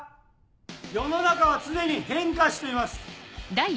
世の中は常に変化しています。